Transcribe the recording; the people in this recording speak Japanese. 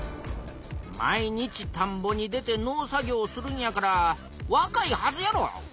毎日たんぼに出て農作業するんやからわかいはずやろ。